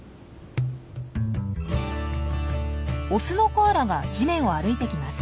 オスのコアラが地面を歩いてきます。